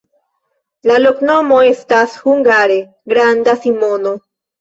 La loknomo estas hungare: granda Simono.